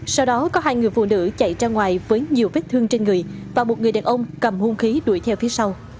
sau đó có hai người phụ nữ chạy ra ngoài với nhiều vết thương trên người và một người đàn ông cầm hôn khí đuổi theo phía sau